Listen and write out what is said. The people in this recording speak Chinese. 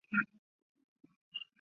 它们受到失去栖息地的威胁。